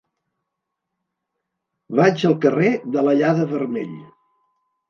Vaig al carrer de l'Allada-Vermell.